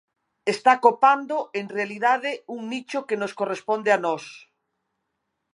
Está copando, en realidade, un nicho que nos corresponde a nós.